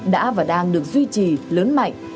đã và đang được duy trì lớn mạnh